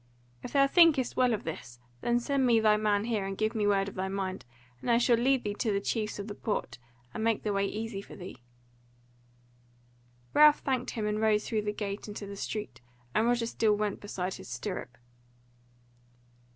If thou thinkest well of this, then send me thy man here and give me word of thy mind, and I shall lead thee to the chiefs of the Port, and make the way easy for thee." Ralph thanked him and rode through the gate into the street, and Roger still went beside his stirrup.